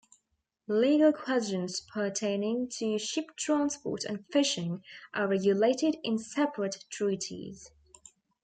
Legal questions pertaining to ship transport and fishing are regulated in separate treaties.